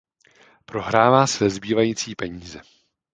Prohrává své zbývající peníze.